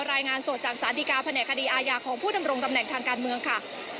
รายงานสดจากสารดีการแผนกคดีอาญาของผู้ดำรงตำแหน่งทางการเมืองค่ะ